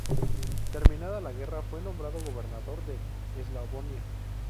Terminada la guerra, fue nombrado gobernador de Eslavonia.